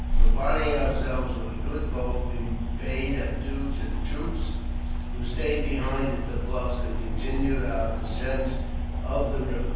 Providing ourselves with a good boat, we bade adieu to the troops, who stayed behind at the Bluffs, and continued our descent of the river.